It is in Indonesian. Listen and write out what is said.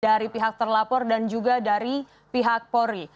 dari pihak terlapor dan juga dari pihak polri